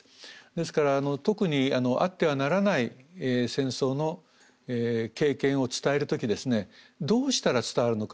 ですから特にあってはならない戦争の経験を伝える時ですねどうしたら伝わるのか。